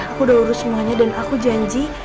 aku udah urus semuanya dan aku janji